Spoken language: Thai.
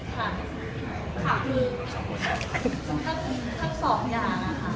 ข้อตอบคือถ้าสอบอย่าง